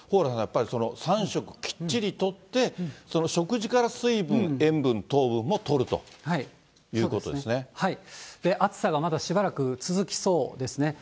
蓬莱さん、食事を３食しっかり取って、食事から水分、塩分、糖分もとるといそうですね、暑さがまだしばらく続きそうですね。